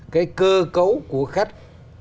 cái cơ cấu của khách